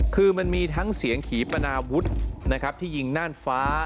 คือมันมีทั้งเสียงขีปนาวุฒินะครับที่ยิงน่านฟ้า